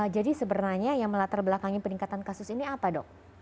jadi sebenarnya yang melatar belakangnya peningkatan kasus ini apa dok